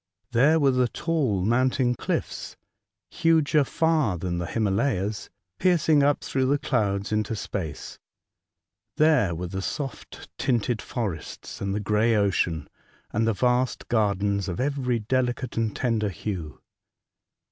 There were the tall mountain cliffs, huger far than the Himalayas, piercing up through the clouds into space ; there were the soft, tinted forests, and the grey ocean, and the vast gardens of every delicate and tender hue.